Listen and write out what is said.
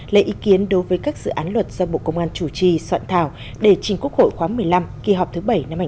lấy ý kiến đối với các dự án luật do bộ công an chủ trì soạn thảo để trình quốc hội khóa một mươi năm kỳ họp thứ bảy năm hai nghìn hai mươi